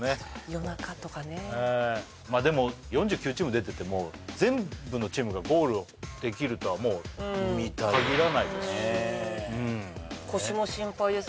夜中とかねでも４９チーム出てても全部のチームがゴールをできるとはもうかぎらないですし腰も心配です